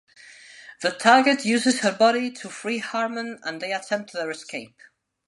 The target uses her body to free Harman and they attempt their escape.